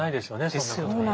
そんなことね。